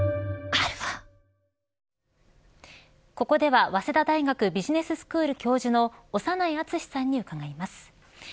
ここでは早稲田大学ビジネススクール教授の長内厚さんに伺います。